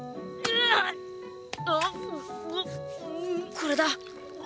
これだ！